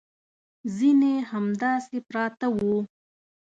ځینې همداسې پراته وو.